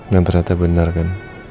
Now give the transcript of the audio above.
yang ternyata benar kan